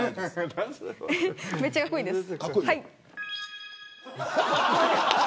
めっちゃかっこいいです。